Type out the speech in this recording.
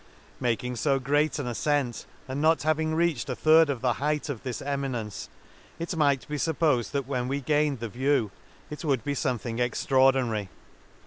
— Making fo great an afcent, and not having reached a third of the height of this eminence, it might be fuppofed that when we gained the view it would be fomething extraordinary.